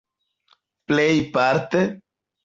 plejparte